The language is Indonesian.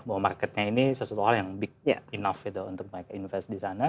bahwa marketnya ini sesuatu hal yang big enough gitu untuk mike invest di sana